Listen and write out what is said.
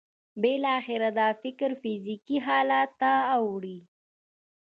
بالاخره دا فکر فزیکي حالت ته اوړي